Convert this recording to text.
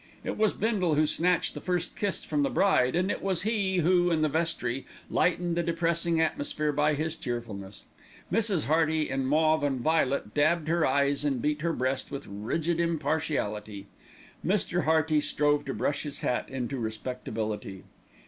It was Bindle who snatched the first kiss from the bride, and it was he who, in the vestry, lightened the depressing atmosphere by his cheerfulness. Mrs. Hearty in mauve and violet dabbed her eyes and beat her breast with rigid impartiality. Mr. Hearty strove to brush his hat into respectability.